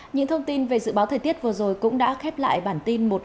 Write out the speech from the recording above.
những thông tin về dự báo thời tiết vừa rồi cũng đã khép lại bản tin